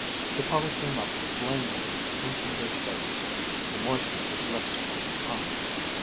The color came up flamingly into his face again. He moistened his lips with his tongue.